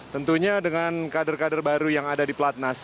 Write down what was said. tentunya dengan kader kader baru yang ada di pelatnas